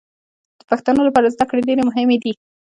د پښتنو لپاره زدکړې ډېرې مهمې دي